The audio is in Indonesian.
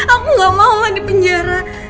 aku gak mau main di penjara